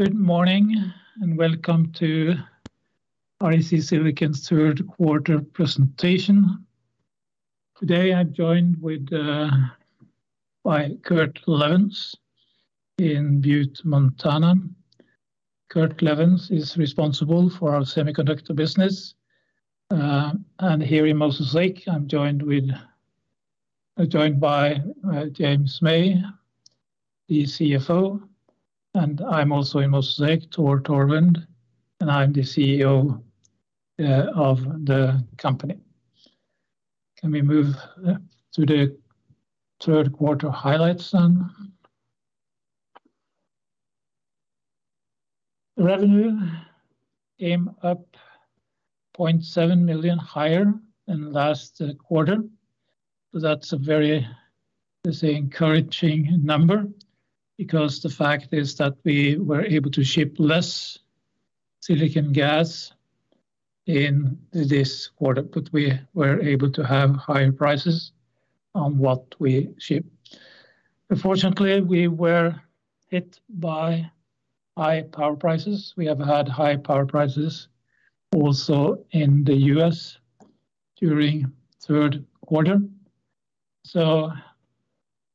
Good morning, and welcome to REC Silicon's third quarter presentation. Today, I'm joined by Kurt Levens in Butte, Montana. Kurt Levens is responsible for our semiconductor business. Here in Moses Lake, I'm joined by James May, the CFO. I'm also in Moses Lake, Tore Torvund, and I'm the CEO of the company. Can we move to the third quarter highlights then? The revenue came up 0.7 million higher than last quarter. That's a very encouraging number because the fact is that we were able to ship less silicon gas in this quarter, but we were able to have higher prices on what we ship. Unfortunately, we were hit by high power prices. We have had high power prices also in the U.S. during third quarter.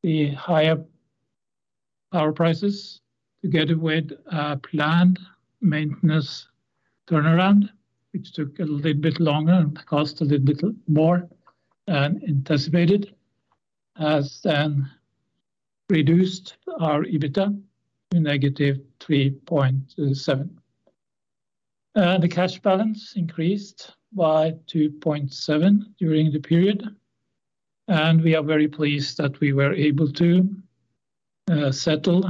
The higher power prices, together with a planned maintenance turnaround, which took a little bit longer and cost a little bit more than anticipated, has reduced our EBITDA to negative 3.7. The cash balance increased by 2.7 during the period, and we are very pleased that we were able to settle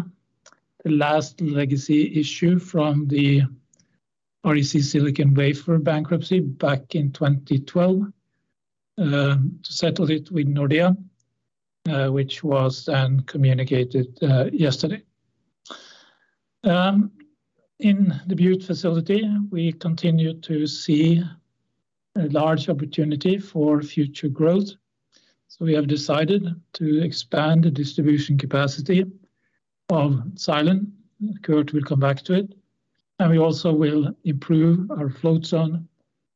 the last legacy issue from the REC Wafer bankruptcy back in 2012, to settle it with Nordea, which was then communicated yesterday. In the Butte facility, we continue to see a large opportunity for future growth, we have decided to expand the distribution capacity of silane. Kurt will come back to it. We also will improve our float zone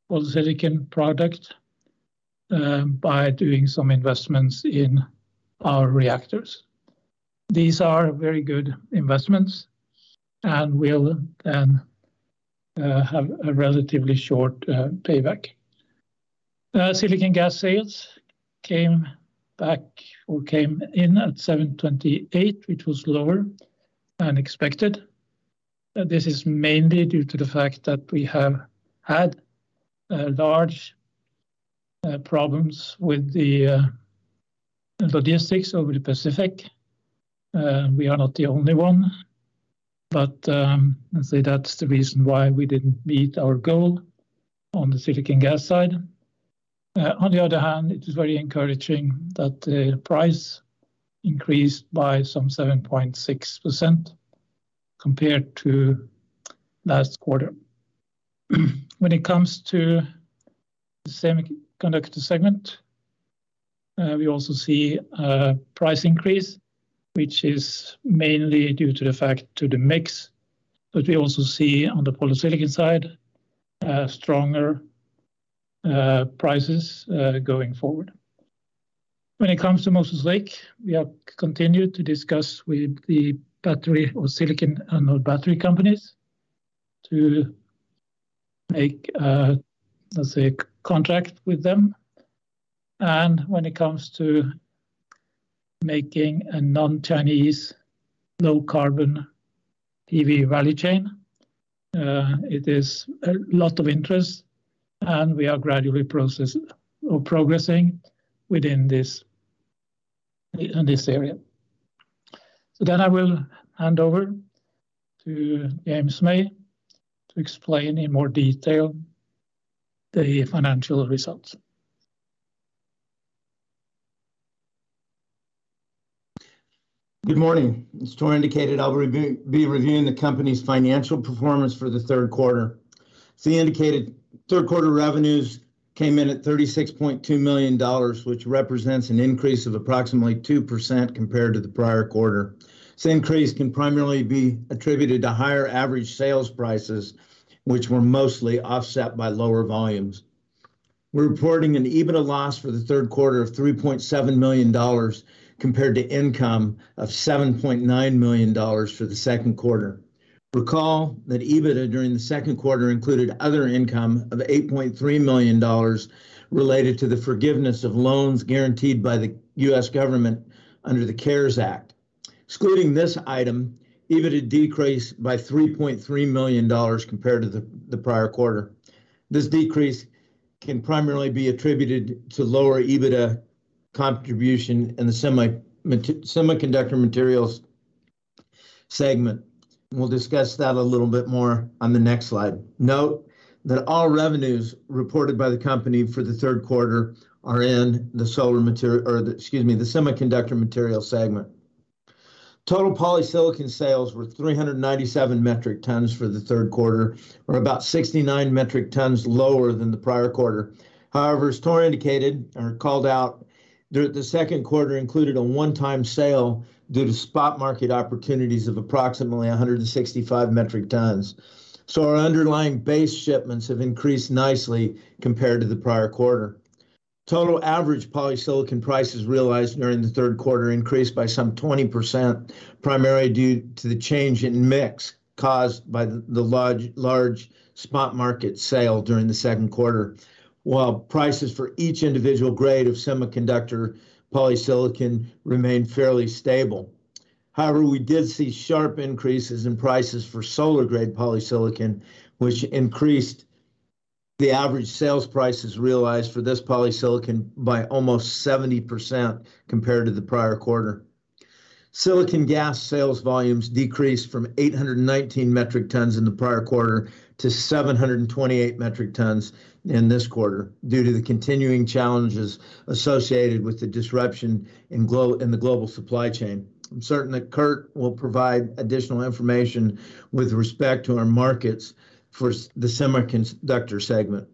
polysilicon product by doing some investments in our reactors. These are very good investments and will then have a relatively short payback. Silicon gas sales came in at 728, which was lower than expected. This is mainly due to the fact that we have had large problems with the logistics over the Pacific. We are not the only one. Let's say that's the reason why we didn't meet our goal on the silicon gas side. On the other hand, it is very encouraging that the price increased by some 7.6% compared to last quarter. When it comes to the Semiconductor segment, we also see a price increase, which is mainly due to the fact to the mix. We also see on the polysilicon side, stronger prices going forward. When it comes to Moses Lake, we have continued to discuss with the battery or silicon anode battery companies to make a contract with them. When it comes to making a non-Chinese, low-carbon PV value chain, it is a lot of interest, and we are gradually progressing within this area. I will hand over to James May to explain in more detail the financial results. Good morning. As Tore indicated, I will be reviewing the company's financial performance for the third quarter. As he indicated, third quarter revenues came in at $36.2 million, which represents an increase of approximately 2% compared to the prior quarter. This increase can primarily be attributed to higher average sales prices, which were mostly offset by lower volumes. We are reporting an EBITDA loss for the third quarter of $3.7 million compared to income of $7.9 million for the second quarter. Recall that EBITDA during the second quarter included other income of $8.3 million related to the forgiveness of loans guaranteed by the U.S. government under the CARES Act. Excluding this item, EBITDA decreased by $3.3 million compared to the prior quarter. This decrease can primarily be attributed to lower EBITDA contribution in the Semiconductor Materials segment. We will discuss that a little bit more on the next slide. Note that all revenues reported by the company for the third quarter are in the solar material, or excuse me, the Semiconductor Materials segment. Total polysilicon sales were 397 metric tons for the third quarter, or about 69 metric tons lower than the prior quarter. As Tore indicated, or called out, the second quarter included a one-time sale due to spot market opportunities of approximately 165 metric tons. Our underlying base shipments have increased nicely compared to the prior quarter. Total average polysilicon prices realized during the third quarter increased by some 20%, primarily due to the change in mix caused by the large spot market sale during the second quarter. While prices for each individual grade of semiconductor polysilicon remained fairly stable. However, we did see sharp increases in prices for solar grade polysilicon, which increased the average sales prices realized for this polysilicon by almost 70% compared to the prior quarter. Silicon gas sales volumes decreased from 819 metric tons in the prior quarter to 728 metric tons in this quarter due to the continuing challenges associated with the disruption in the global supply chain. I'm certain that Kurt will provide additional information with respect to our markets for the Semiconductor segment.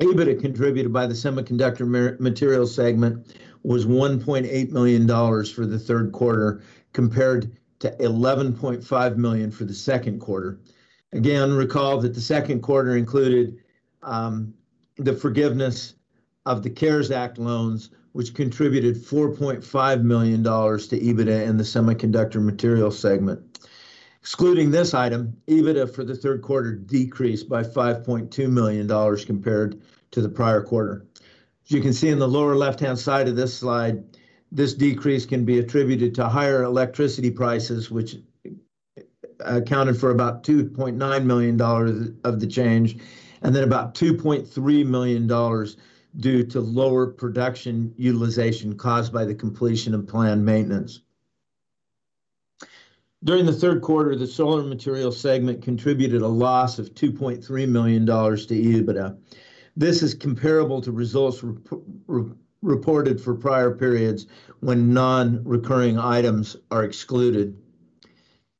EBITDA contributed by the Semiconductor Materials segment was NOK 1.8 million for the third quarter, compared to 11.5 million for the second quarter. Again, recall that the second quarter included the forgiveness of the CARES Act loans, which contributed NOK 4.5 million to EBITDA in the Semiconductor Materials segment. Excluding this item, EBITDA for the third quarter decreased by NOK 5.2 million compared to the prior quarter. As you can see in the lower left-hand side of this slide, this decrease can be attributed to higher electricity prices, which accounted for about $2.9 million of the change, and then about $2.3 million due to lower production utilization caused by the completion of planned maintenance. During the third quarter, the Solar Materials segment contributed a loss of $2.3 million to EBITDA. This is comparable to results reported for prior periods when non-recurring items are excluded.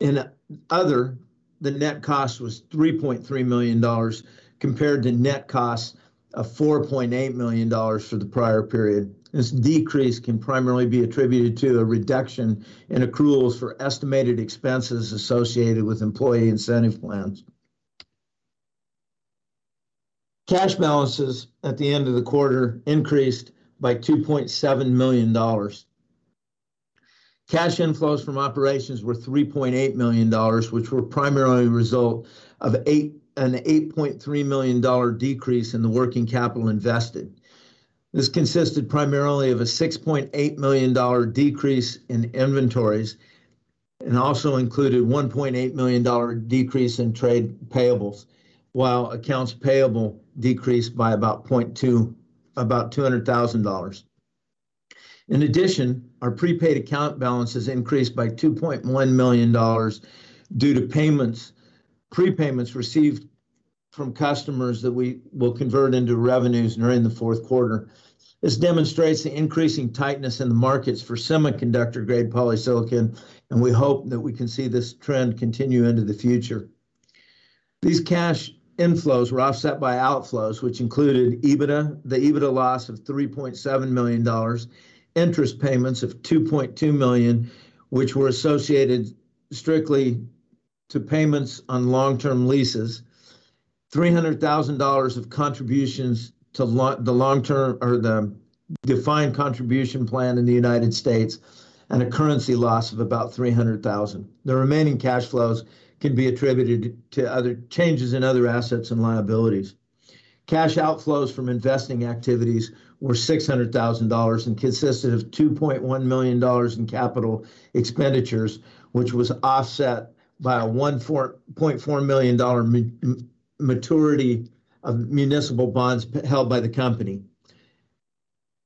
In other, the net cost was $3.3 million compared to net costs of $4.8 million for the prior period. This decrease can primarily be attributed to a reduction in accruals for estimated expenses associated with employee incentive plans. Cash balances at the end of the quarter increased by $2.7 million. Cash inflows from operations were $3.8 million, which were primarily a result of an $8.3 million decrease in the working capital invested. This consisted primarily of a $6.8 million decrease in inventories, and also included a $1.8 million decrease in trade payables, while accounts payable decreased by about $200,000. In addition, our prepaid account balances increased by $2.1 million due to prepayments received from customers that we will convert into revenues during the fourth quarter. This demonstrates the increasing tightness in the markets for semiconductor-grade polysilicon, and we hope that we can see this trend continue into the future. These cash inflows were offset by outflows, which included the EBITDA loss of $3.7 million, interest payments of $2.2 million, which were associated strictly to payments on long-term leases, $300,000 of contributions to the defined contribution plan in the United States, and a currency loss of about $300,000. The remaining cash flows can be attributed to changes in other assets and liabilities. Cash outflows from investing activities were NOK 600,000 and consisted of NOK 2.1 million in capital expenditures, which was offset by a NOK 1.4 million maturity of municipal bonds held by the company.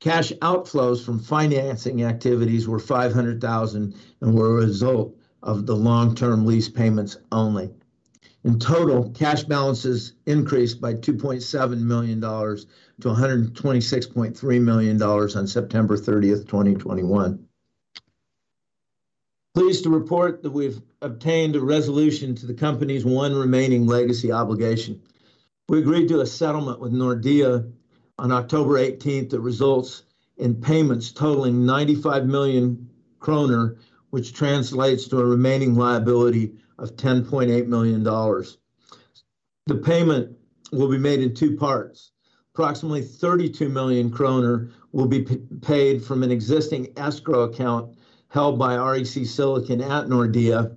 Cash outflows from financing activities were 500,000 and were a result of the long-term lease payments only. In total, cash balances increased by NOK 2.7 million to NOK 126.3 million on 30th September 2021. Pleased to report that we've obtained a resolution to the company's one remaining legacy obligation. We agreed to a settlement with Nordea on October 18th that results in payments totaling 95 million kroner, which translates to a remaining liability of $10.8 million. The payment will be made in two parts. Approximately 32 million kroner will be paid from an existing escrow account held by REC Silicon at Nordea,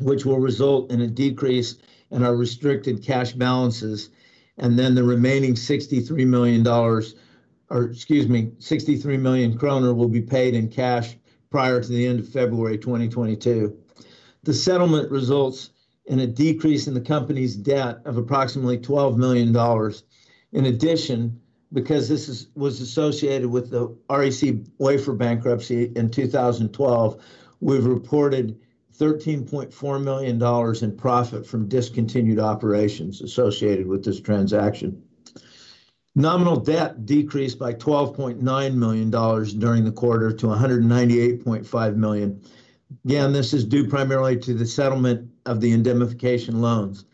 which will result in a decrease in our restricted cash balances, and the remaining 63 million kroner will be paid in cash prior to the end of February 2022. The settlement results in a decrease in the company's debt of approximately $12 million. In addition, because this was associated with the REC Wafer bankruptcy in 2012, we've reported $13.4 million in profit from discontinued operations associated with this transaction. Nominal debt decreased by $12.9 million during the quarter to $198.5 million. Again, this is due primarily to the settlement of the indemnification loans.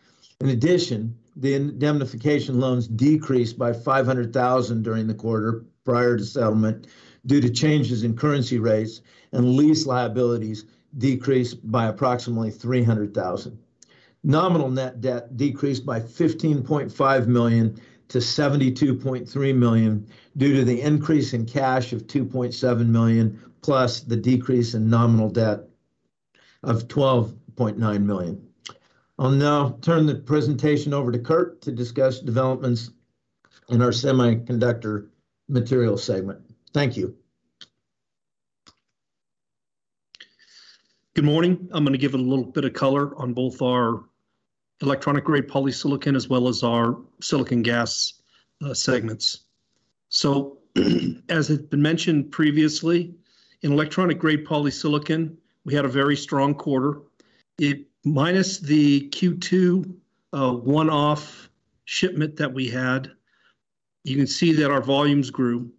In addition, the indemnification loans decreased by $500,000 during the quarter, prior to settlement, due to changes in currency rates, and lease liabilities decreased by approximately $300,000. Nominal net debt decreased by 15.5 million to 72.3 million due to the increase in cash of 2.7 million, plus the decrease in nominal debt of 12.9 million. I'll now turn the presentation over to Kurt to discuss developments in our Semiconductor Materials segment. Thank you. Good morning. I'm going to give a little bit of color on both our electronic grade polysilicon, as well as our silicon gas segments. As has been mentioned previously, in electronic grade polysilicon, we had a very strong quarter. Minus the Q2 one-off shipment that we had, you can see that our volumes grew,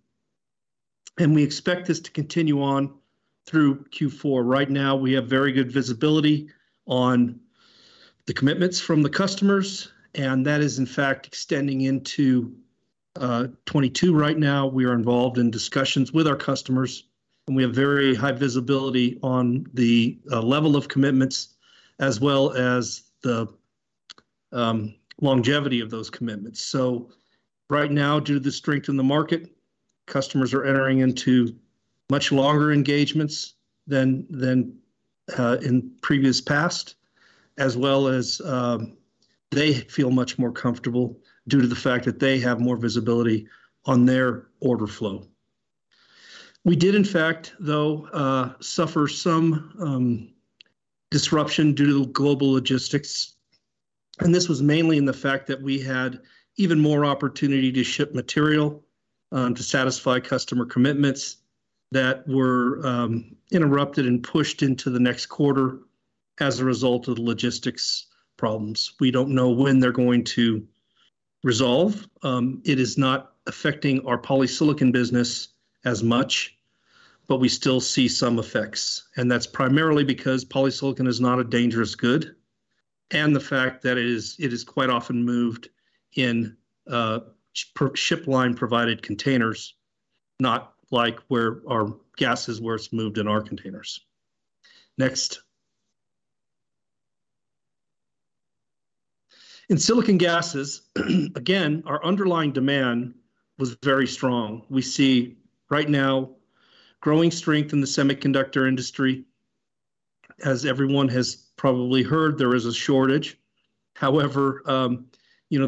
and we expect this to continue on through Q4. Right now, we have very good visibility on the commitments from the customers, and that is, in fact, extending into 2022. Right now, we are involved in discussions with our customers, and we have very high visibility on the level of commitments as well as the longevity of those commitments. Right now, due to the strength in the market, customers are entering into much longer engagements than in previous past, as well as they feel much more comfortable due to the fact that they have more visibility on their order flow. We did in fact, though, suffer some disruption due to global logistics, and this was mainly in the fact that we had even more opportunity to ship material to satisfy customer commitments that were interrupted and pushed into the next quarter as a result of the logistics problems. We don't know when they're going to resolve. It is not affecting our polysilicon business as much, but we still see some effects, and that's primarily because polysilicon is not a dangerous good, and the fact that it is quite often moved in ship line provided containers, not like where our gas is, where it's moved in our containers. In silicon gases, again, our underlying demand was very strong. We see right now growing strength in the semiconductor industry. As everyone has probably heard, there is a shortage. The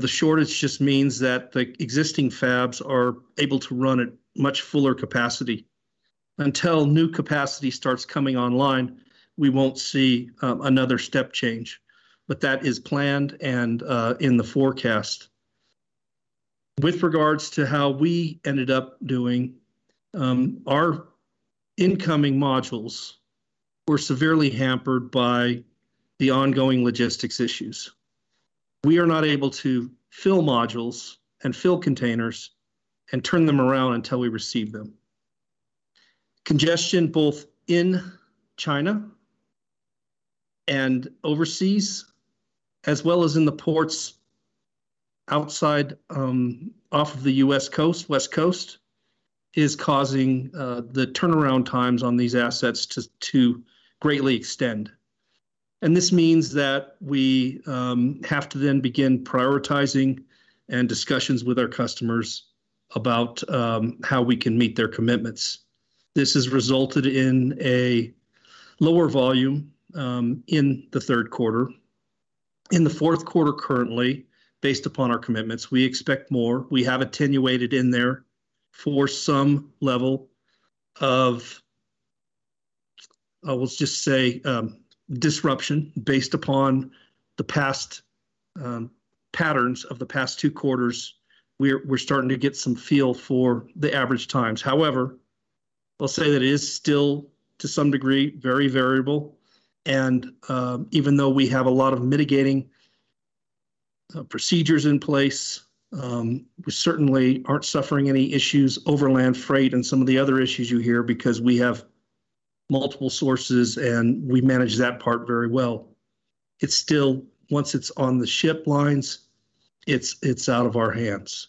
shortage just means that the existing fabs are able to run at much fuller capacity. Until new capacity starts coming online, we won't see another step change, but that is planned and in the forecast. With regards to how we ended up doing, our incoming modules were severely hampered by the ongoing logistics issues. We are not able to fill modules and fill containers and turn them around until we receive them. Congestion both in China and overseas, as well as in the ports outside off of the U.S. coast, West Coast, is causing the turnaround times on these assets to greatly extend. This means that we have to then begin prioritizing and discussions with our customers about how we can meet their commitments. This has resulted in a lower volume in the third quarter. In the fourth quarter currently, based upon our commitments, we expect more. We have attenuated in there for some level of, let's just say, disruption based upon the past patterns of the past two quarters. We're starting to get some feel for the average times. I'll say that it is still, to some degree, very variable, and even though we have a lot of mitigating procedures in place, we certainly aren't suffering any issues, overland freight and some of the other issues you hear, because we have multiple sources and we manage that part very well. It's still, once it's on the ship lines, it's out of our hands.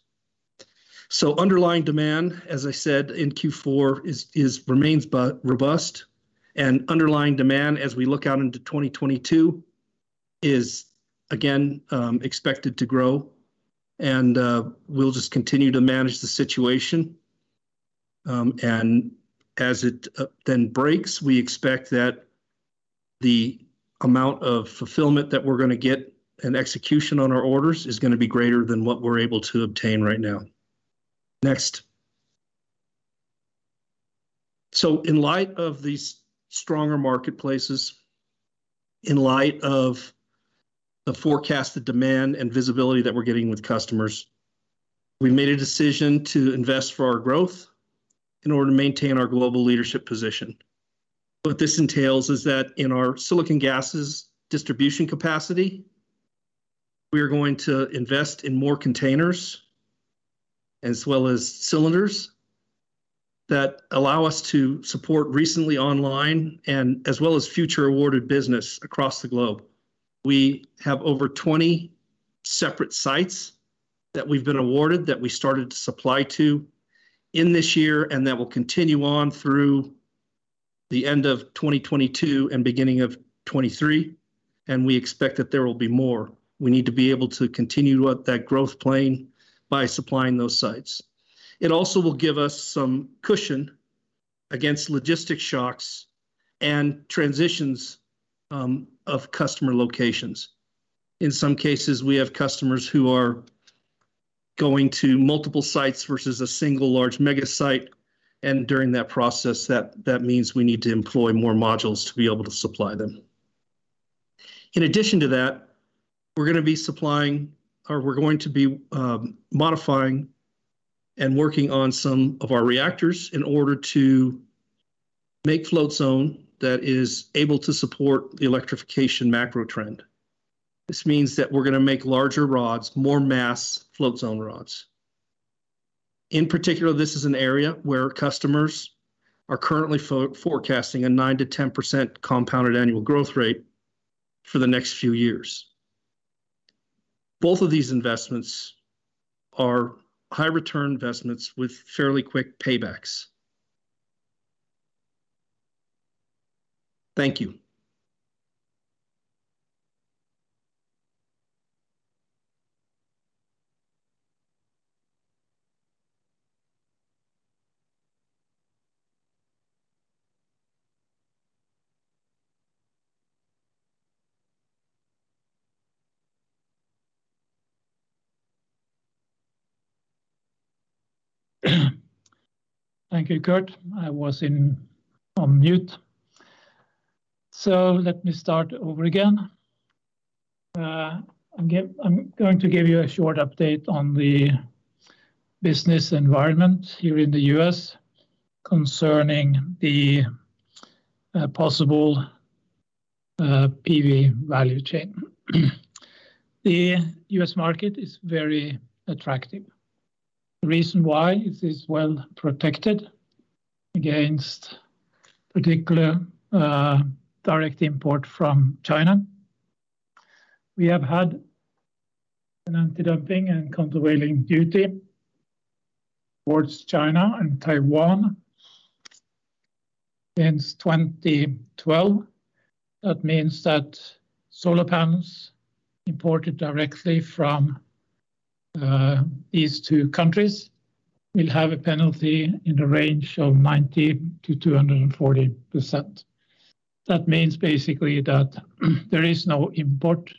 Underlying demand, as I said, in Q4 remains robust, and underlying demand as we look out into 2022 is, again, expected to grow. We'll just continue to manage the situation, and as it then breaks, we expect that the amount of fulfillment that we're going to get and execution on our orders is going to be greater than what we're able to obtain right now. Next. In light of these stronger marketplaces, in light of the forecasted demand and visibility that we're getting with customers, we made a decision to invest for our growth in order to maintain our global leadership position. What this entails is that in our silicon gases distribution capacity, we are going to invest in more containers, as well as cylinders that allow us to support recently online and as well as future awarded business across the globe. We have over 20 separate sites that we've been awarded that we started to supply to in this year, and that will continue on through the end of 2022 and beginning of 2023, and we expect that there will be more. We need to be able to continue out that growth plane by supplying those sites. It also will give us some cushion against logistic shocks and transitions of customer locations. In some cases, we have customers who are going to multiple sites versus a single large mega site, and during that process, that means we need to employ more modules to be able to supply them. In addition to that, we're going to be modifying and working on some of our reactors in order to make float zone that is able to support the electrification macro trend. This means that we're going to make larger rods, more mass float zone rods. In particular, this is an area where customers are currently forecasting a 9%-10% compounded annual growth rate for the next few years. Both of these investments are high return investments with fairly quick paybacks. Thank you. Thank you, Kurt. I was on mute. Let me start over again. I'm going to give you a short update on the business environment here in the U.S. concerning the possible PV value chain. The U.S. market is very attractive. The reason why, it is well-protected against particular direct import from China. We have had an anti-dumping and countervailing duty towards China and Taiwan since 2012. That means that solar panels imported directly from these two countries will have a penalty in the range of 19%-240%. That means basically that there is no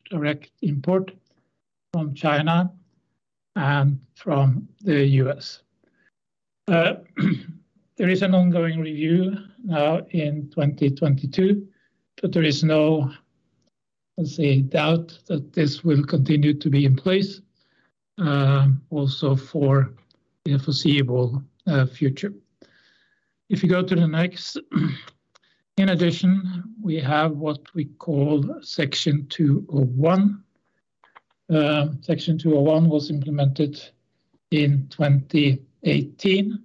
direct import from China and from the U.S. There is an ongoing review now in 2022, but there is no doubt that this will continue to be in place, also for the foreseeable future. If you go to the next. In addition, we have what we call Section 201. Section 201 was implemented in 2018.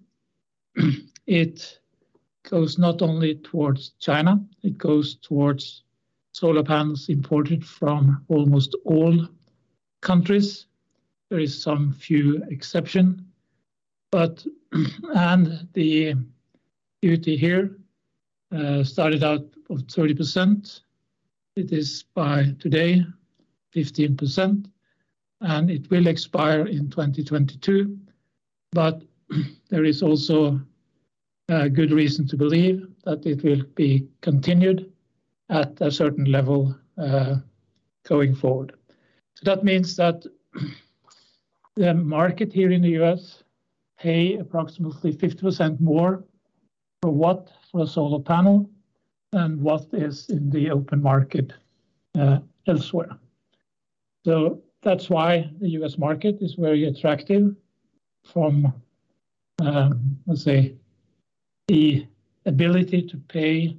It goes not only towards China, it goes towards solar panels imported from almost all countries. There is some few exception. The duty here started out of 30%. It is by today 15%, and it will expire in 2022. There is also a good reason to believe that it will be continued at a certain level going forward. That means that the market here in the U.S. pay approximately 50% more for what? For a solar panel than what is in the open market elsewhere. That's why the U.S. market is very attractive from, let's say, the ability to pay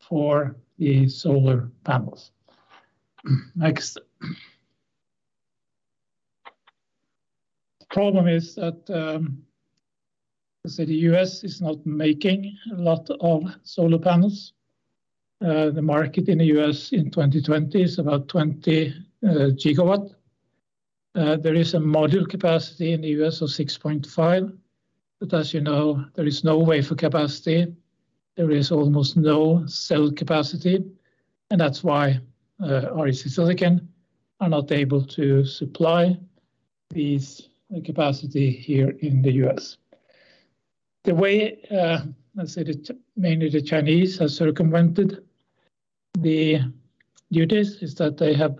for the solar panels. Next. The problem is that the U.S. is not making a lot of solar panels. The market in the U.S. in 2020 is about 20 GW. There is a module capacity in the U.S. of 6.5, but as you know, there is no wafer capacity. There is almost no cell capacity, and that's why REC Silicon are not able to supply this capacity here in the U.S. The way, let's say, mainly the Chinese has circumvented the duties is that they have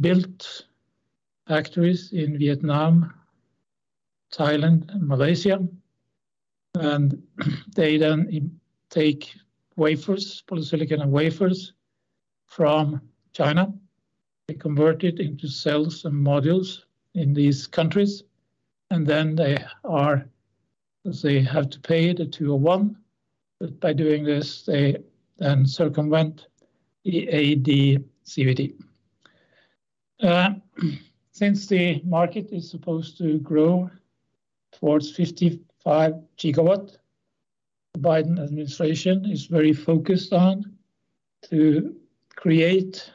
built factories in Vietnam, Thailand, and Malaysia, and they then take polysilicon and wafers from China, they convert it into cells and modules in these countries, and then they have to pay the 201. By doing this, they then circumvent the AD/CVD. Since the market is supposed to grow towards 55 GW, the Biden administration is very focused on to create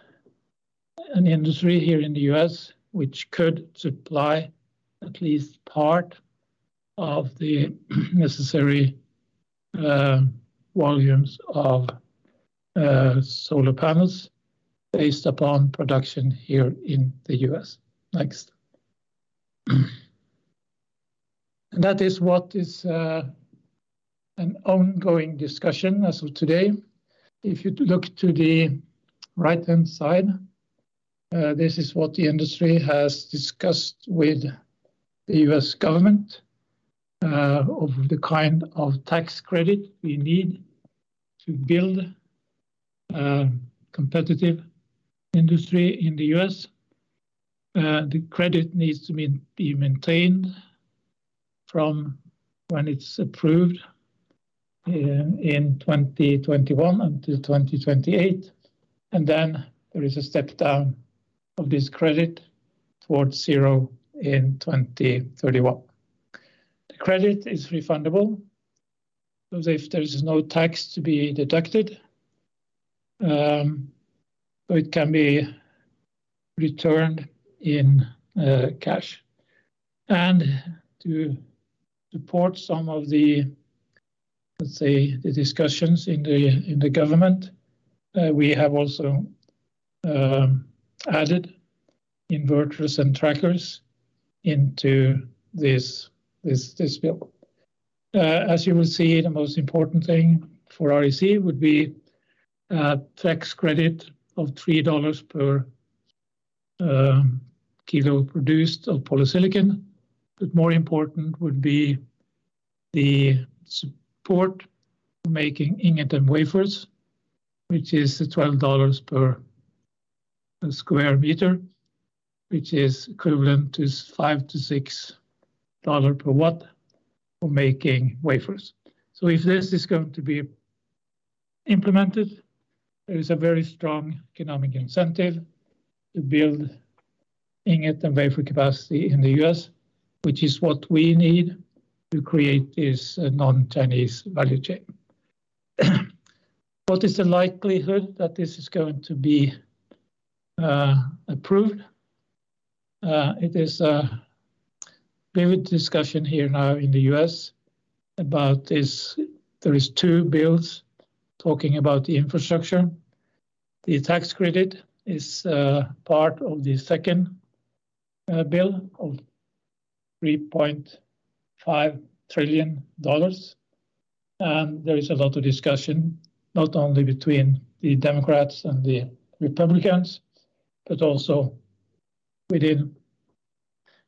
an industry here in the U.S. which could supply at least part of the necessary volumes of solar panels based upon production here in the U.S. Next. That is what is an ongoing discussion as of today. If you look to the right-hand side, this is what the industry has discussed with the U.S. government of the kind of tax credit we need to build competitive industry in the U.S. The credit needs to be maintained from when it's approved in 2021 until 2028, and then there is a step down of this credit towards zero in 2031. The credit is refundable. If there is no tax to be deducted, it can be returned in cash. To support some of the, let's say, the discussions in the government, we have also added inverters and trackers into this bill. As you will see, the most important thing for REC would be tax credit of $3 per kilo produced of polysilicon, but more important would be the support for making ingot and wafers, which is the $12 per square meter, which is equivalent to $5-$6 per watt for making wafers. If this is going to be implemented, there is a very strong economic incentive to build ingot and wafer capacity in the U.S., which is what we need to create this non-Chinese value chain. What is the likelihood that this is going to be approved? It is a vivid discussion here now in the U.S. about this. There is two bills talking about the infrastructure. The tax credit is part of the second bill of $3.5 trillion. There is a lot of discussion, not only between the Democratic Party and the Republican Party, but also within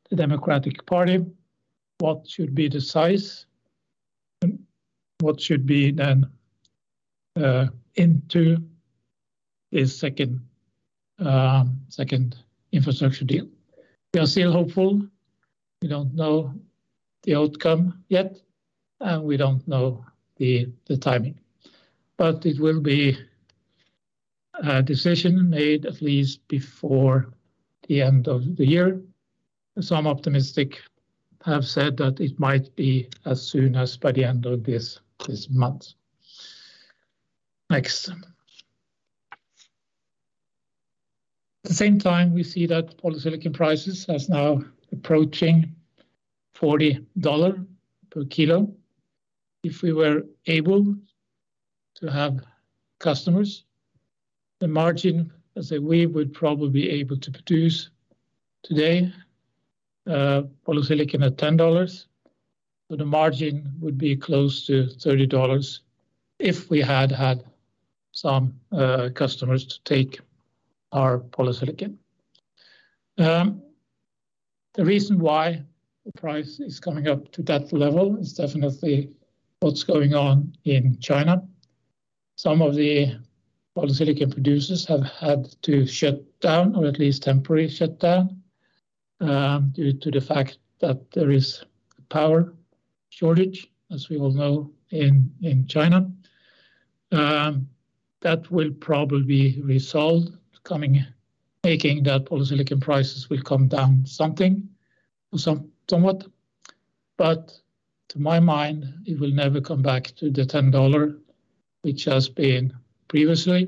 the Democratic Party, what should be the size and what should be then into this second infrastructure deal. We are still hopeful. We don't know the outcome yet, and we don't know the timing. It will be a decision made at least before the end of the year. Some optimistic have said that it might be as soon as by the end of this month. Next. At the same time, we see that polysilicon prices has now approaching NOK 40 per kilo. If we were able to have customers, the margin as that we would probably be able to produce today polysilicon at NOK 10, so the margin would be close to NOK 30 if we had had some customers to take our polysilicon. The reason why the price is coming up to that level is definitely what's going on in China. Some of the polysilicon producers have had to shut down, or at least temporarily shut down due to the fact that there is a power shortage, as we all know, in China. That will probably be resolved, making that polysilicon prices will come down somewhat. To my mind, it will never come back to the NOK 10 which has been previously.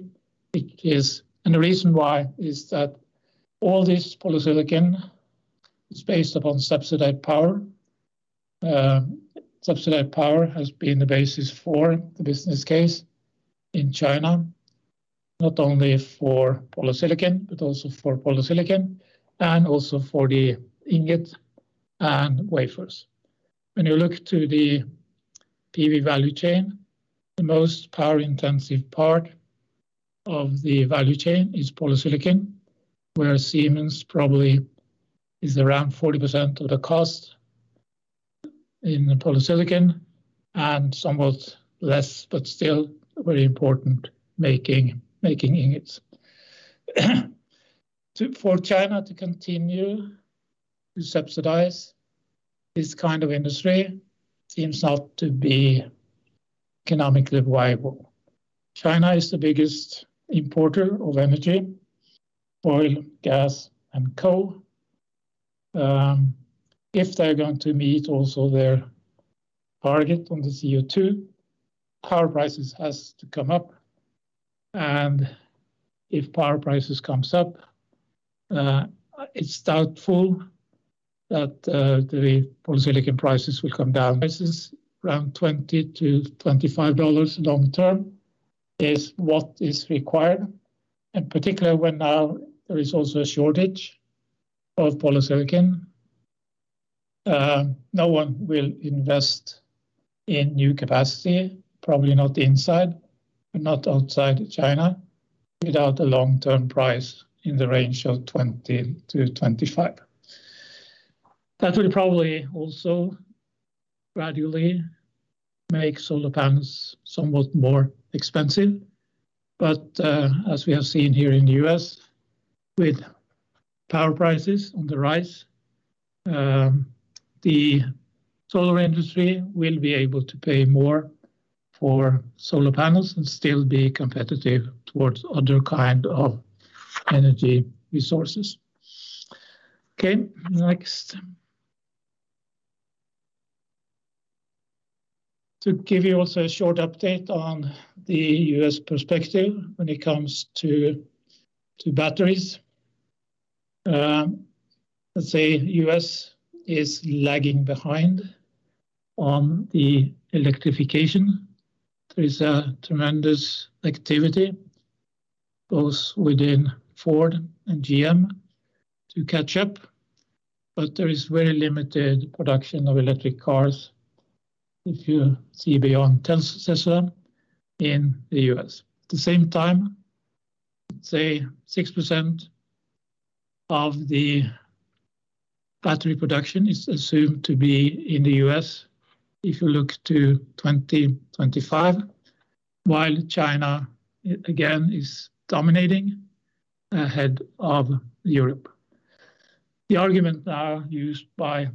The reason why is that all this polysilicon is based upon subsidized power. Subsidized power has been the basis for the business case in China, not only for polysilicon, but also for polysilicon, and also for the ingot and wafers. When you look to the PV value chain, the most power-intensive part of the value chain is polysilicon, where Siemens probably is around 40% of the cost in polysilicon and somewhat less, but still very important, making ingots. For China to continue to subsidize this kind of industry seems not to be economically viable. China is the biggest importer of energy, oil, gas, and coal. If they're going to meet also their target on the CO2, power prices has to come up. If power prices comes up, it's doubtful that the polysilicon prices will come down. Prices around $20-$25 long term is what is required. Particularly when now there is also a shortage of polysilicon. No one will invest in new capacity, probably not inside, but not outside China, without a long-term price in the range of $20-$25. That will probably also gradually make solar panels somewhat more expensive. As we have seen here in the U.S., with power prices on the rise, the solar industry will be able to pay more for solar panels and still be competitive towards other kind of energy resources. Okay, next. To give you also a short update on the U.S. perspective when it comes to batteries. Let's say U.S. is lagging behind on the electrification. There is a tremendous activity both within Ford and GM to catch up. There is very limited production of electric cars if you see beyond Tesla in the U.S. At the same time, say 6% of the battery production is assumed to be in the U.S., if you look to 2025, while China, again, is dominating ahead of Europe. The argument now used by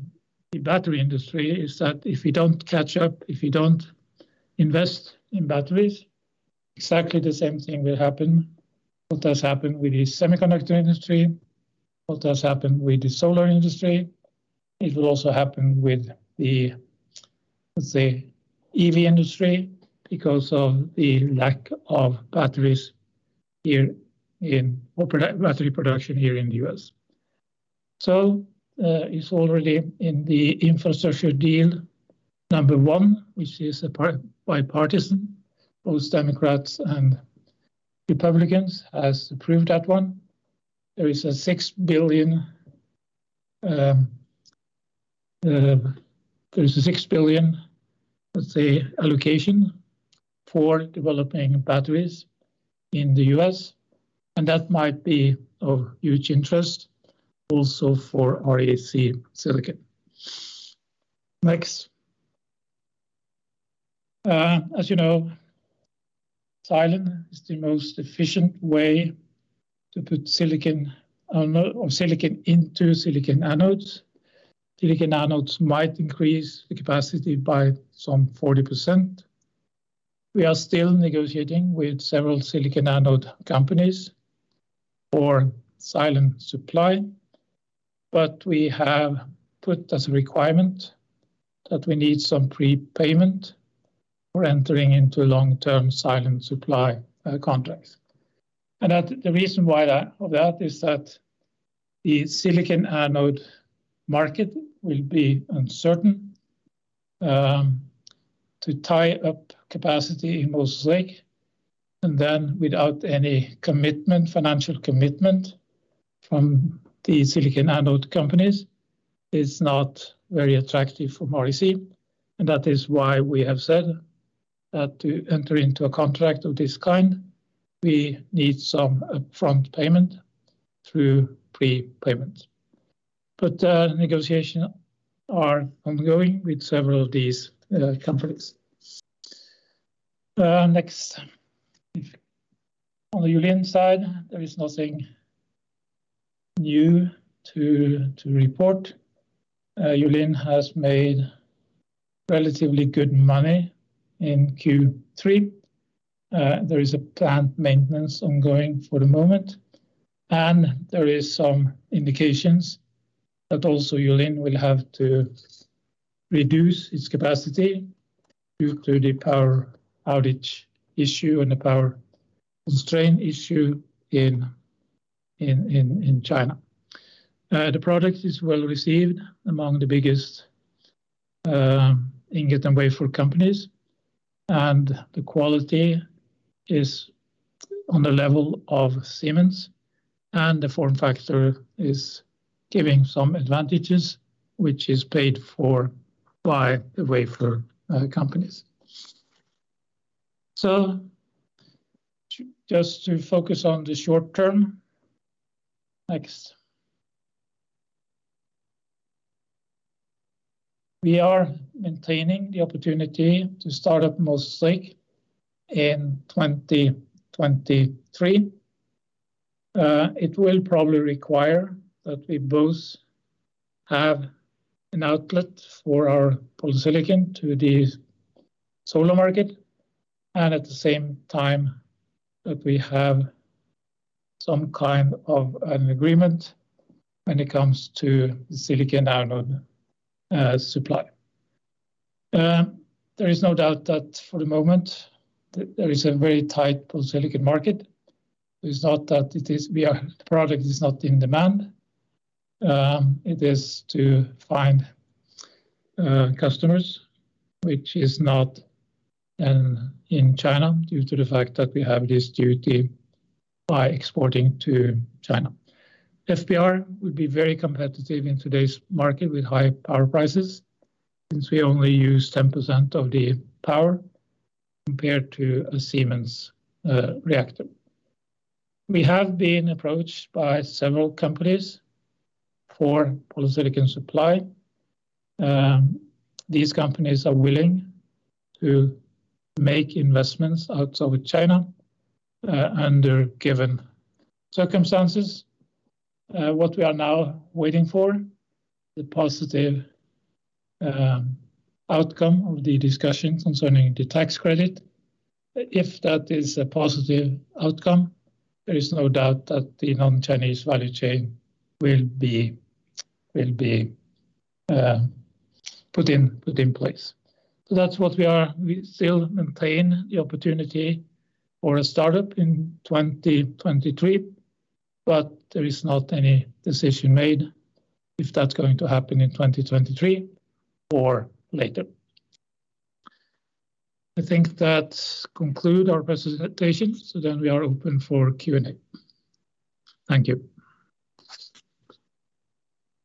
the battery industry is that if we don't catch up, if we don't invest in batteries, exactly the same thing will happen what has happened with the semiconductor industry, what has happened with the solar industry. It will also happen with the, let's say, EV industry because of the lack of battery production here in the U.S. It's already in the infrastructure deal number one, which is bipartisan. Both Democrats and Republicans has approved that one. There is a $6 billion allocation for developing batteries in the U.S., and that might be of huge interest also for REC Silicon. Next. As you know, silane is the most efficient way to put silicon into silicon anodes. Silicon anodes might increase the capacity by some 40%. We are still negotiating with several silicon anode companies for silane supply, but we have put as a requirement that we need some prepayment for entering into long-term silane supply contracts. The reason for that is that the silicon anode market will be uncertain to tie up capacity in Moses Lake, and then without any financial commitment from the silicon anode companies, it is not very attractive for REC. That is why we have said that to enter into a contract of this kind, we need some upfront payment through prepayment. Negotiations are ongoing with several of these companies. Next. On the Yulin side, there is nothing new to report. Yulin has made relatively good money in Q3. There is a plant maintenance ongoing for the moment, and there is some indications that also Yulin will have to reduce its capacity due to the power outage issue and the power constraint issue in China. The product is well received among the biggest ingot and wafer companies, and the quality is on the level of Siemens, and the form factor is giving some advantages, which is paid for by the wafer companies. Just to focus on the short term. Next. We are maintaining the opportunity to start up Moses Lake in 2023. It will probably require that we both have an outlet for our polysilicon to the solar market, and at the same time, that we have some kind of an agreement when it comes to the silicon anode supply. There is no doubt that for the moment, there is a very tight polysilicon market. It's not that our product is not in demand. It is to find customers, which is not in China due to the fact that we have this duty by exporting to China. FBR would be very competitive in today's market with high power prices since we only use 10% of the power compared to a Siemens process. We have been approached by several companies for polysilicon supply. These companies are willing to make investments outside China under given circumstances. What we are now waiting for is the positive outcome of the discussions concerning the tax credit. If that is a positive outcome, there is no doubt that the non-Chinese value chain will be put in place. That's what we are. We still maintain the opportunity for a startup in 2023, there is not any decision made if that's going to happen in 2023 or later. I think that conclude our presentation, so then we are open for Q&A. Thank you.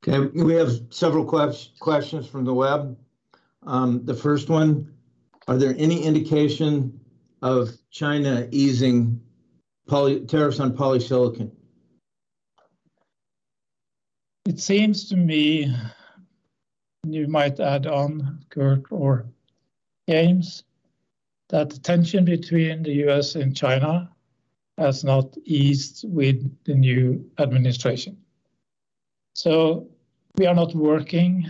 Okay. We have several questions from the web. The first one, are there any indication of China easing tariffs on polysilicon? It seems to me, and you might add on, Kurt or James, that the tension between the U.S. and China has not eased with the new administration. We are not working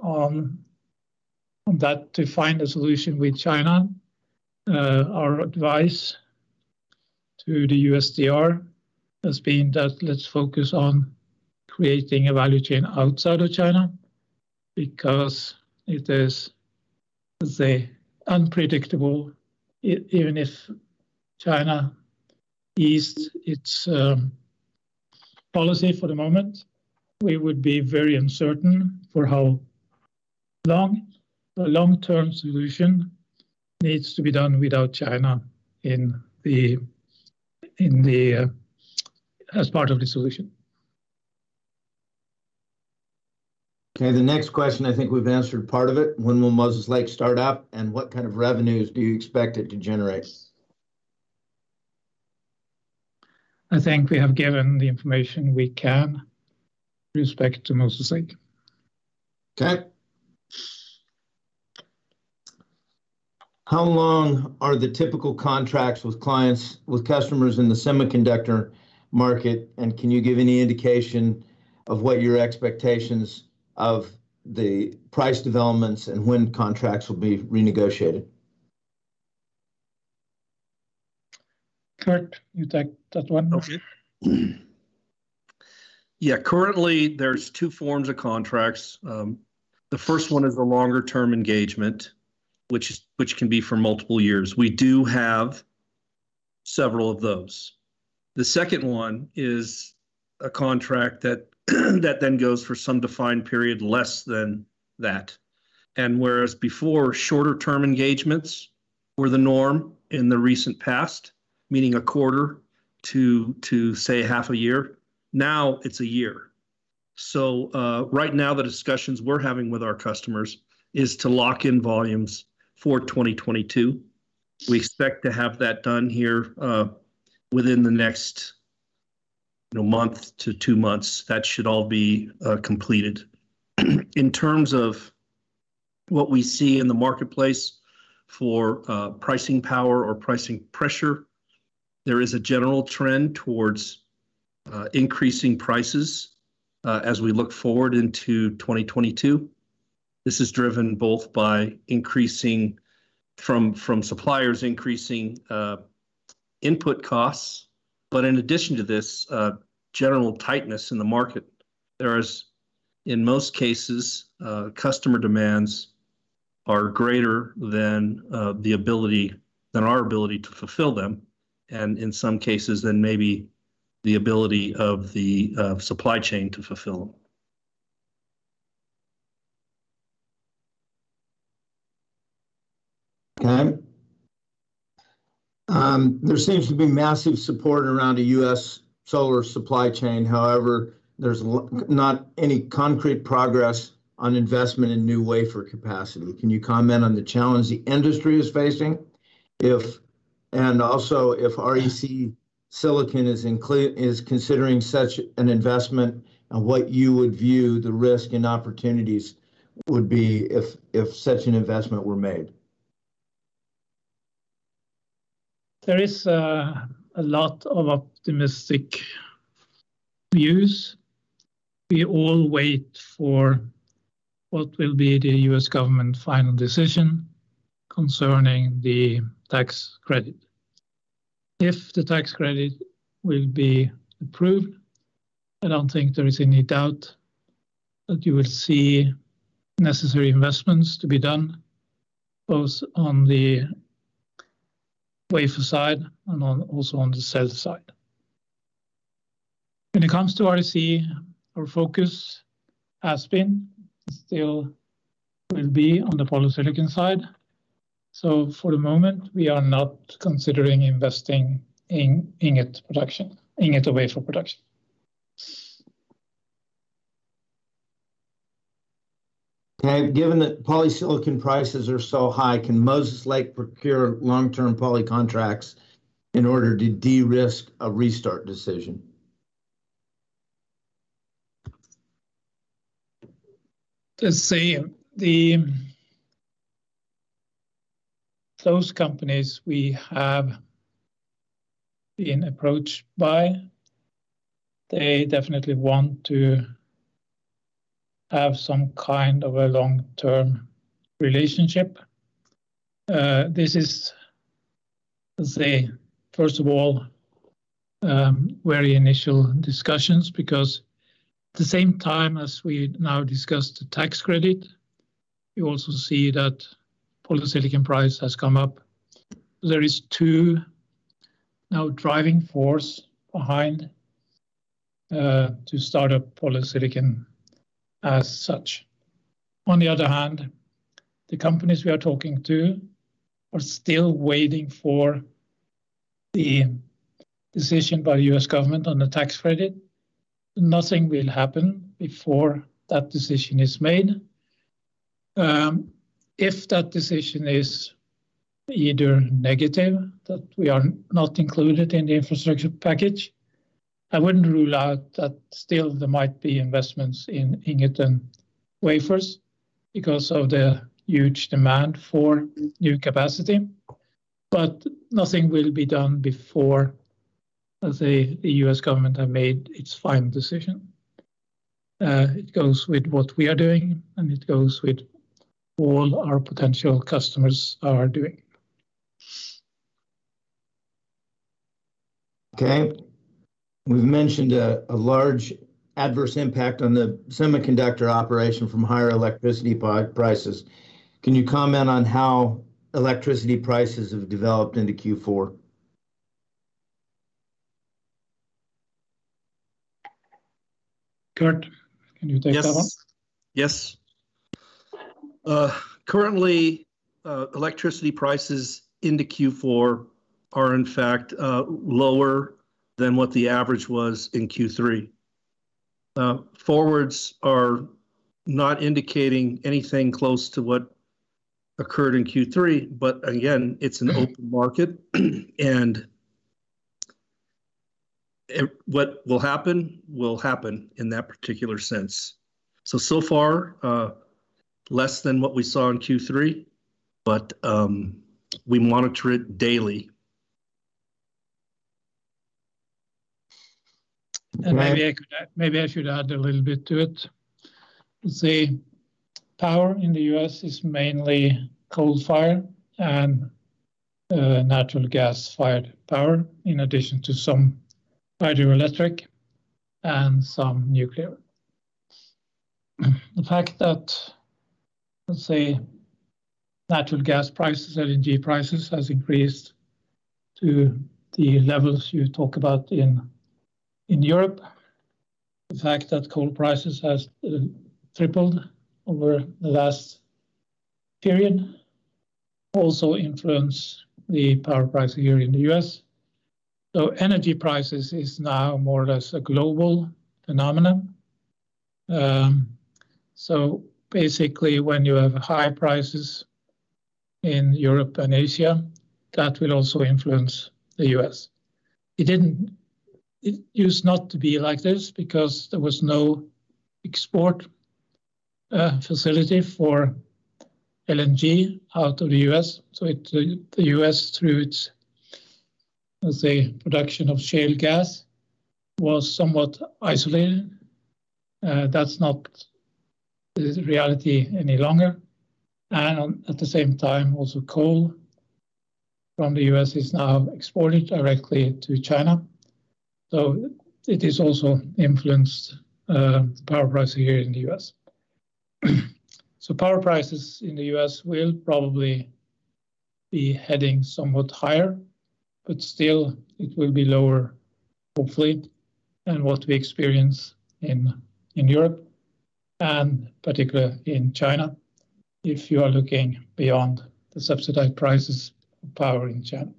on that to find a solution with China. Our advice to the USTR has been that let's focus on creating a value chain outside of China because it is, let's say, unpredictable. Even if China eased its policy for the moment, we would be very uncertain for how long. A long-term solution needs to be done without China as part of the solution. Okay, the next question, I think we've answered part of it. When will Moses Lake start up, and what kind of revenues do you expect it to generate? I think we have given the information we can with respect to Moses Lake. Okay. How long are the typical contracts with customers in the semiconductor market, and can you give any indication of what your expectations of the price developments and when contracts will be renegotiated? Kurt, you take that one. Currently there's two forms of contracts. The first one is a longer-term engagement, which can be for multiple years. We do have several of those. The second one is a contract that then goes for some defined period less than that. Whereas before, shorter-term engagements were the norm in the recent past, meaning a quarter to, say, half a year, now it's one year. Right now the discussions we're having with our customers is to lock in volumes for 2022. We expect to have that done here within the next month to two months. That should all be completed. In terms of what we see in the marketplace for pricing power or pricing pressure, there is a general trend towards increasing prices as we look forward into 2022. This is driven both from suppliers increasing input costs. In addition to this general tightness in the market, there is, in most cases, customer demands are greater than our ability to fulfill them, and in some cases, than maybe the ability of the supply chain to fulfill them. All right. There seems to be massive support around a U.S. solar supply chain. However, there's not any concrete progress on investment in new wafer capacity. Can you comment on the challenge the industry is facing? Also if REC Silicon is considering such an investment, and what you would view the risk and opportunities would be if such an investment were made? There is a lot of optimistic views. We all wait for what will be the U.S. government final decision concerning the tax credit. If the tax credit will be approved, I don't think there is any doubt that you will see necessary investments to be done, both on the wafer side and also on the cell side. When it comes to REC, our focus has been, still will be on the polysilicon side. For the moment, we are not considering investing in ingot wafer production. Okay. Given that polysilicon prices are so high, can Moses Lake procure long-term poly contracts in order to de-risk a restart decision? To say those companies we have been approached by, they definitely want to have some kind of a long-term relationship. This is, let's say, first of all, very initial discussions because the same time as we now discuss the tax credit, you also see that polysilicon price has come up. There is two now driving force behind to start up polysilicon as such. On the other hand, the companies we are talking to are still waiting for the decision by the U.S. government on the tax credit. Nothing will happen before that decision is made. If that decision is either negative, that we are not included in the infrastructure package, I wouldn't rule out that still there might be investments in ingot and wafers because of the huge demand for new capacity. Nothing will be done before, let's say, the U.S. government have made its final decision. It goes with what we are doing, and it goes with all our potential customers are doing. Okay. We've mentioned a large adverse impact on the Semiconductor operation from higher electricity prices. Can you comment on how electricity prices have developed into Q4? Kurt, can you take that one? Yes. Currently, electricity prices into Q4 are in fact lower than what the average was in Q3. Forwards are not indicating anything close to what occurred in Q3, but again, it's an open market and what will happen will happen in that particular sense. So far, less than what we saw in Q3, but we monitor it daily. Maybe I should add a little bit to it. The power in the U.S. is mainly coal-fired and natural gas-fired power, in addition to some hydroelectric and some nuclear. The fact that, let's say, natural gas prices, LNG prices has increased to the levels you talk about in Europe. The fact that coal prices has tripled over the last period also influence the power price here in the U.S. Energy prices is now more or less a global phenomenon. Basically when you have high prices in Europe and Asia, that will also influence the U.S. It used not to be like this because there was no export facility for LNG out of the U.S. The U.S., through its, let's say, production of shale gas, was somewhat isolated. That's not the reality any longer. At the same time, also coal from the U.S. is now exported directly to China. It has also influenced the power price here in the U.S. Power prices in the U.S. will probably be heading somewhat higher, but still it will be lower, hopefully, than what we experience in Europe. Particularly in China, if you are looking beyond the subsidized prices of power in China.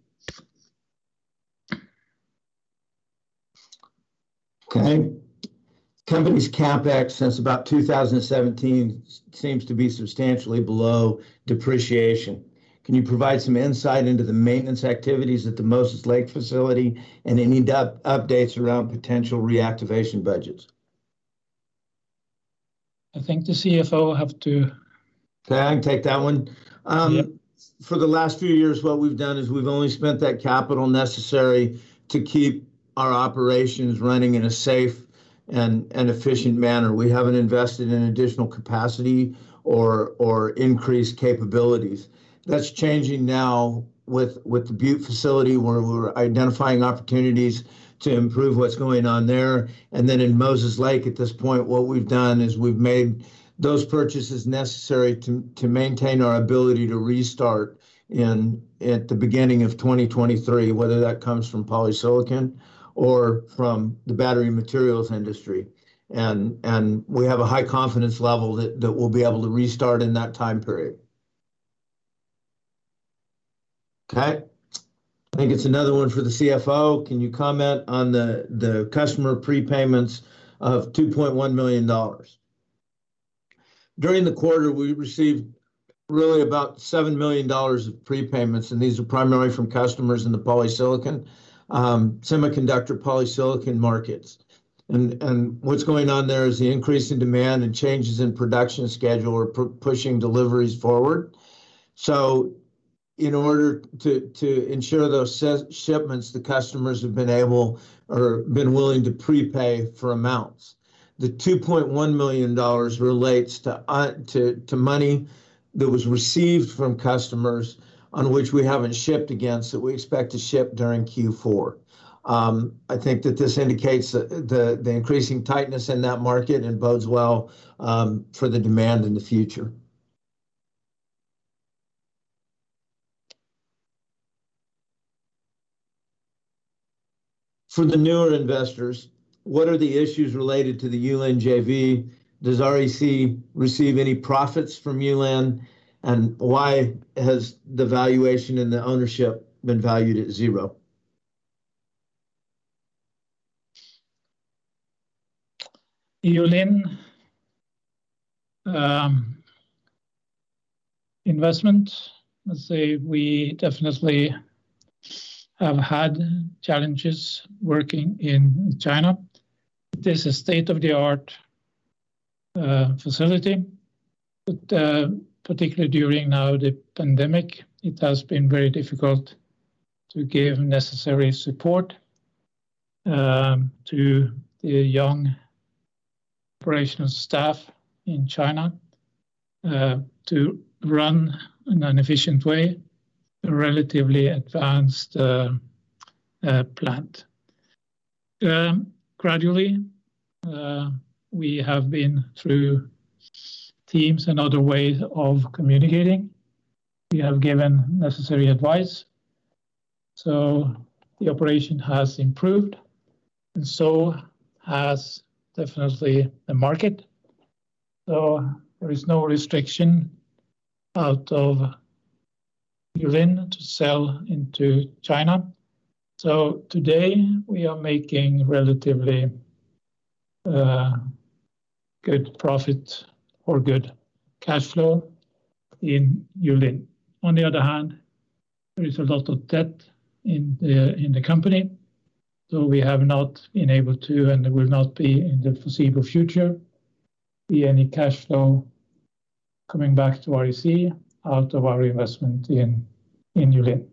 Okay. Company's CapEx since about 2017 seems to be substantially below depreciation. Can you provide some insight into the maintenance activities at the Moses Lake facility, and any updates around potential reactivation budgets? I think the CFO will have to. Okay, I can take that one. Yeah. For the last few years, what we've done is we've only spent that capital necessary to keep our operations running in a safe and efficient manner. We haven't invested in additional capacity or increased capabilities. That's changing now with the Butte facility, where we're identifying opportunities to improve what's going on there. In Moses Lake at this point, what we've done is we've made those purchases necessary to maintain our ability to restart at the beginning of 2023, whether that comes from polysilicon or from the battery materials industry. We have a high confidence level that we'll be able to restart in that time period. Okay. I think it's another one for the CFO. Can you comment on the customer prepayments of $2.1 million? During the quarter, we received really about $7 million of prepayments, and these are primarily from customers in the semiconductor-grade polysilicon markets. What's going on there is the increase in demand and changes in production schedule are pushing deliveries forward. In order to ensure those shipments, the customers have been willing to prepay for amounts. The $2.1 million relates to money that was received from customers on which we haven't shipped against, that we expect to ship during Q4. I think that this indicates the increasing tightness in that market and bodes well for the demand in the future. For the newer investors, what are the issues related to the Yulin JV? Does REC receive any profits from Yulin? Why has the valuation and the ownership been valued at zero? Yulin investment, I'd say we definitely have had challenges working in China. It is a state-of-the-art facility, but particularly during now the pandemic, it has been very difficult to give necessary support to the young operational staff in China to run, in an efficient way, a relatively advanced plant. Gradually, we have been through Teams and other ways of communicating. We have given necessary advice, so the operation has improved and so has definitely the market. There is no restriction out of Yulin to sell into China. Today, we are making relatively good profit or good cash flow in Yulin. On the other hand, there is a lot of debt in the company. We have not been able to, and there will not be in the foreseeable future, be any cash flow coming back to REC out of our investment in Yulin.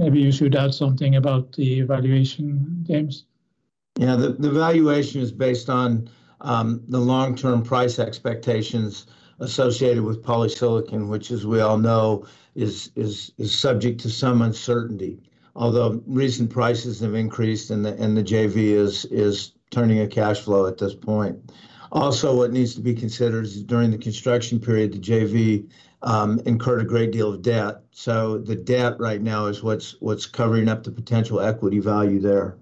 Maybe you should add something about the valuation, James. Yeah. The valuation is based on the long-term price expectations associated with polysilicon, which as we all know is subject to some uncertainty. Although recent prices have increased and the JV is turning a cash flow at this point. Also, what needs to be considered is during the construction period, the JV incurred a great deal of debt. The debt right now is what's covering up the potential equity value there.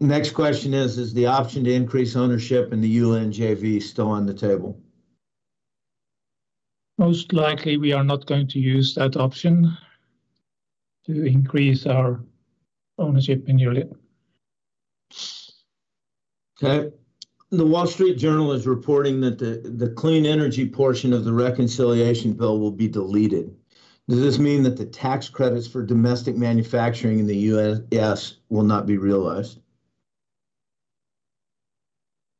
Next question is, "Is the option to increase ownership in the Yulin JV still on the table? Most likely, we are not going to use that option to increase our ownership in Yulin. Okay. "The Wall Street Journal is reporting that the clean energy portion of the reconciliation bill will be deleted. Does this mean that the tax credits for domestic manufacturing in the U.S. will not be realized?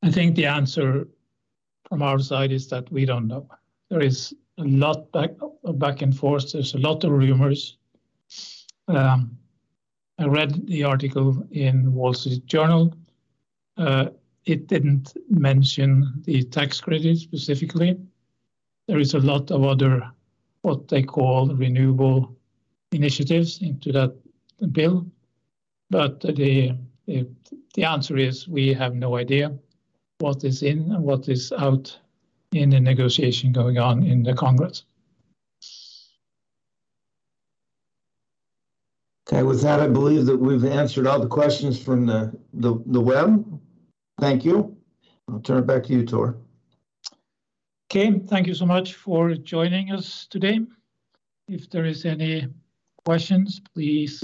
I think the answer from our side is that we don't know. There is a lot of back and forth. There is a lot of rumors. I read the article in The Wall Street Journal. It didn't mention the tax credit specifically. There is a lot of other, what they call renewable initiatives into that bill. The answer is we have no idea what is in and what is out in the negotiation going on in the Congress. With that, I believe that we've answered all the questions from the web. Thank you. I'll turn it back to you, Tore. Okay. Thank you so much for joining us today. If there is any questions, please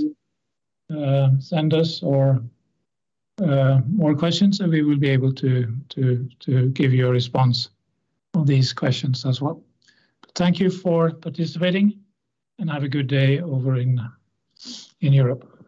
send us or more questions, and we will be able to give you a response on these questions as well. Thank you for participating, and have a good day over in Europe.